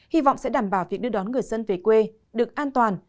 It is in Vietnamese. hy vọng sẽ đảm bảo việc đưa đón người dân về quê được an toàn